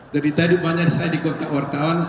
tapi tadi banyak saya di kotak wartawan